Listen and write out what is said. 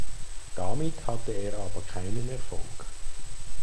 Damit hatte er aber keinen Erfolg.